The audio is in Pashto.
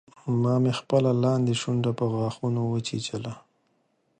ما مې خپله لاندۍ شونډه په غاښونو وچیچله